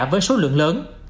với số lượng lớn